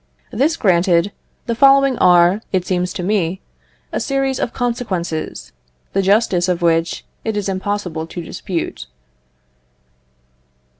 This granted, the following are, it seems to me, a series of consequences, the justice of which it is impossible to dispute.